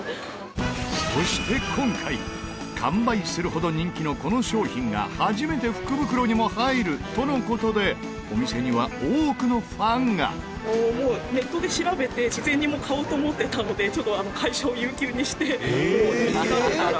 そして、今回完売するほど人気のこの商品が史上初めて福袋にも入るとの事でお店には多くのファンが女性：「ネットで調べて事前に買おうと思ってたので会社を有休にして人気だろうから」